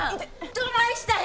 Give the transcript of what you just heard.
どないしたんや！？